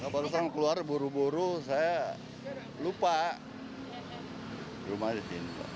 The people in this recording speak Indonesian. barusan keluar buru buru saya lupa rumah ini